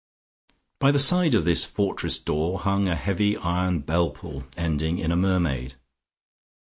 By the side of this fortress door hung a heavy iron bell pull, ending in a mermaid.